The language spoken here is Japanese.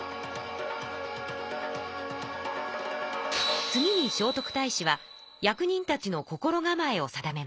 次に聖徳太子は役人たちの心構えを定めました。